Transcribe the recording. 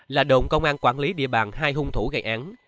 là đồn công an quản lý địa bàn hai hung thủ gây án